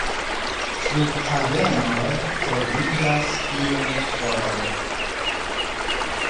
Flughavenoj troviĝas iom fore.